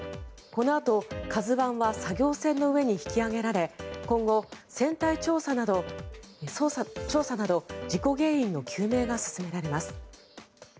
このあと、「ＫＡＺＵ１」は作業船の上に引き揚げられ今後、船体調査など事故原因の究明が進められます。